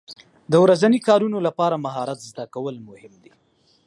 د ورځني کارونو لپاره مهارت زده کول مهم دي.